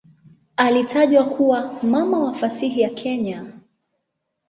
Alitajwa kuwa "mama wa fasihi ya Kenya".